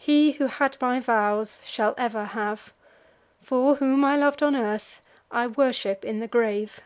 he who had my vows shall ever have; For, whom I lov'd on earth, I worship in the grave."